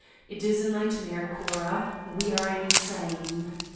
It is a nightmare, Cora. We are insane.